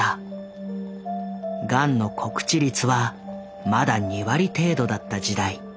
ガンの告知率はまだ２割程度だった時代。